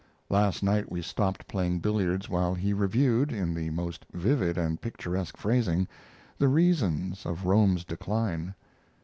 Last night we stopped playing billiards while he reviewed, in the most vivid and picturesque phrasing, the reasons of Rome's decline.